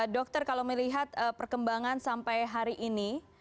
dokter kalau melihat perkembangan sampai hari ini